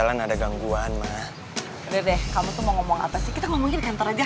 aku udah berani supaya sambil hetar